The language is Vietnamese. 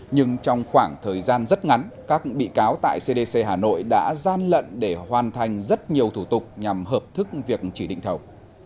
nhưng trong khoảng thời gian rất ngắn các bị cáo tại cdc hà nội đã gian lận để hoàn thành rất nhiều thủ tục nhằm hợp thức việc chỉ định thầu